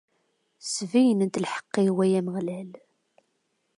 Sbeyyen-d lḥeqq-iw, ay Ameɣlal.